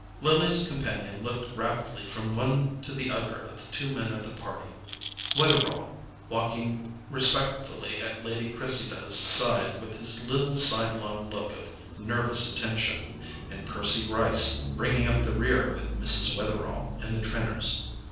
Lily's companion looked rapidly from one to the other of the two men of the party; Wetherall walking respectfully at Lady Cressida's side with his little sidelong look of nervous attention, and Percy Gryce bringing up the rear with Mrs. Wetherall and the Trenors.